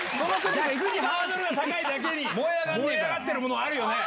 ハードルが高いだけに、燃え上がってるものあるよね？